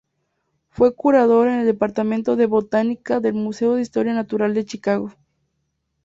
Fue curador en el Departamento de Botánica del "Museo de Historia Natural de Chicago".